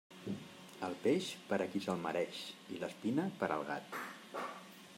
El peix, per al qui se'l mereix, i l'espina per al gat.